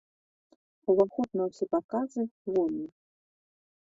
Уваход на ўсе паказы вольны.